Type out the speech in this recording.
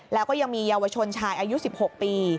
แล้วก็ยังมีเยาวชนชายอายุ๑๖ปี